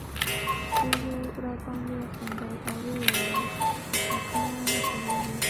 ټولو راباندې وخندل او ویې ویل په ټاکنه نه پوهېږي.